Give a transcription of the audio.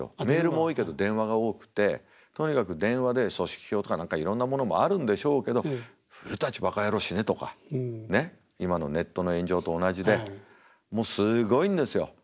メールも多いけど電話が多くてとにかく電話で組織票とか何かいろんなものもあるんでしょうけど「古バカ野郎死ね」とかねっ今のネットの炎上と同じでもうすごいんですよ。